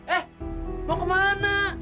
eh mau kemana